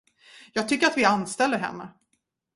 Jag tycker att vi anställer henne.